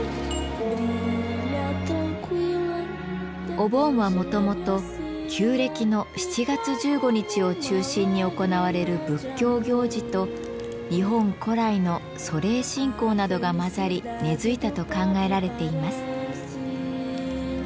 お盆はもともと旧暦の７月１５日を中心に行われる仏教行事と日本古来の祖霊信仰などが混ざり根づいたと考えられています。